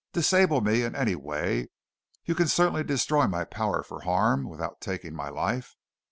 Disable me in any way! You can certainly destroy my power for harm without taking my life!